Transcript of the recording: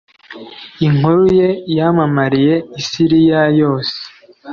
Inkuru ye yamamara i Siriya yose